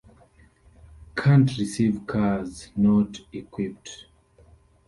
Can't receive cars not equipped.